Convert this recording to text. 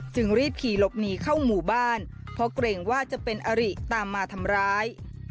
รีบขี่หลบหนีเข้าหมู่บ้านเพราะเกรงว่าจะเป็นอริตามมาทำร้าย